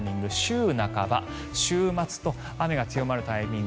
週半ば、週末と雨が強まるタイミング